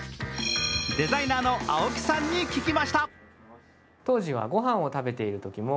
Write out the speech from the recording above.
デザイナーの青木さんに聞きました。